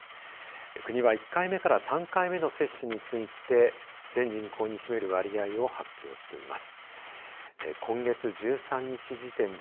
国は１回目から３回目の接種について全人口に占める割合を発表しています。